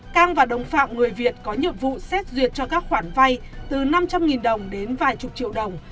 cang và đồng phạm người việt có nhiệm vụ xét duyệt cho các khoản vay từ năm trăm linh đồng đến vài chục triệu đồng